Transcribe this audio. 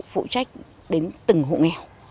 phụ trách đến từng hộ nghèo